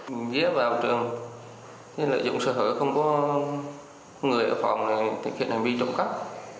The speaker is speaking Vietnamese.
mình ghé vào trường lợi dụng sở hữu không có người ở phòng này thực hiện hành vi trộm cắt